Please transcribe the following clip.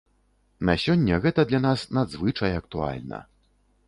На сёння гэта для нас надзвычай актуальна.